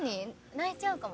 泣いちゃうかも。